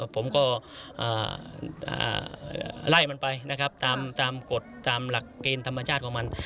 ผมก็ไล่มันไปนะครับตามกฎตามหลักเกณฑ์ธรรมชาติของมัน